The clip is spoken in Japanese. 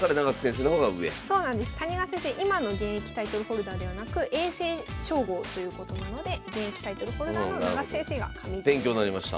今の現役タイトルホルダーではなく永世称号ということなので現役タイトルホルダーの永瀬先生が上座になります。